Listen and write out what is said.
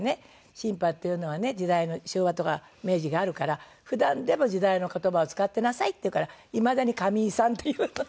「新派っていうのはね時代の昭和とか明治があるから普段でも時代の言葉を使ってなさい」って言うからいまだに「髪結いさん」って言うの。